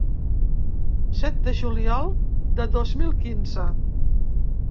Set de juliol de dos mil quinze.